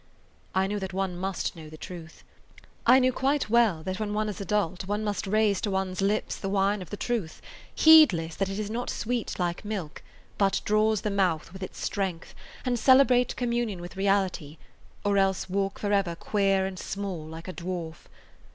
I knew that one must know the truth. I knew quite well that when one is adult one must raise to one's lips the wine of the truth, heedless that it is not sweet like milk, but draws the mouth with its strength, and celebrate communion with [Page 179] reality, or else walk forever queer and small like a dwarf.